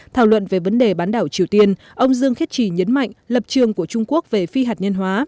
thảo luận về vấn đề bán đảo triều tiên ông dương khiết trì nhấn mạnh lập trường của trung quốc về phi hạt nhân hóa